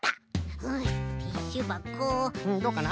どうかな？